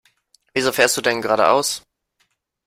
Wieso fährst du denn geradeaus?